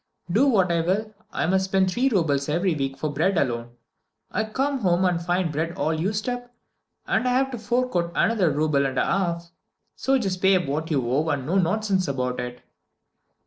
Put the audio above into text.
Do what I will, I must spend three roubles every week for bread alone. I come home and find the bread all used up, and I have to fork out another rouble and a half. So just pay up what you owe, and no nonsense about it!"